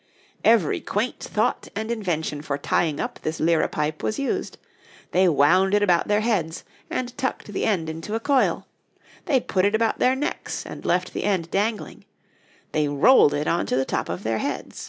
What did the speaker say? Every quaint thought and invention for tying up this liripipe was used: they wound it about their heads, and tucked the end into the coil; they put it about their necks, and left the end dangling; they rolled it on to the top of their heads.